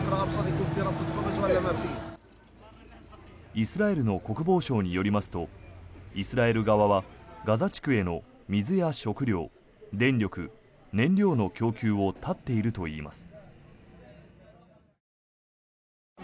イスラエルの国防省によりますとイスラエル側はガザ地区への水や食料、電力、燃料の供給を断っているといいます。